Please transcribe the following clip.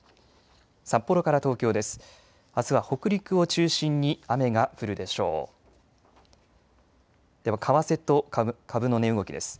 札幌から東京です。